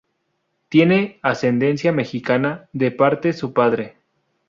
Tiene ascendencia mexicana de parte su padre.